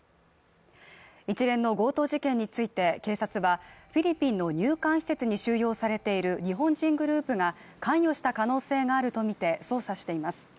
一連の強盗事件について警察はフィリピンの入管施設に収容されている日本人グループが関与した可能性があるとみて捜査しています。